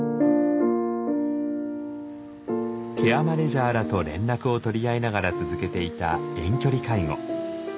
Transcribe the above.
ケアマネジャーらと連絡をとり合いながら続けていた遠距離介護。